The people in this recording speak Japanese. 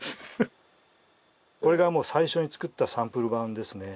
これがもう最初に作ったサンプル版ですね。